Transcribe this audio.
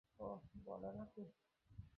ওহ, বলে নাকি?